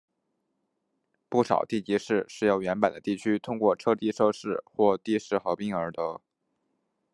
不少地级市是由原本的地区通过撤地设市或地市合并而得。